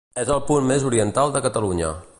És el punt més oriental de Catalunya.